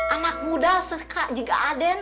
anak muda seka juga aden